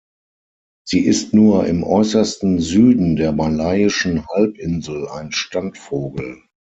Sie ist nur im äußersten Süden der malaiischen Halbinsel ein Standvogel.